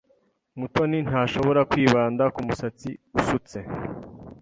Mutoni ntashobora kwibanda ku musatsi usutse.